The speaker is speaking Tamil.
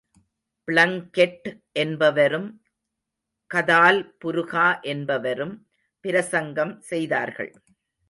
பிளங்கெட் என்பவரும் கதால் புருகா என்பவரும் பிரசங்கம் செய்தார்கள்.